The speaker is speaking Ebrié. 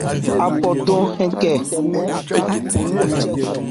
Apo dɔn nkɛ.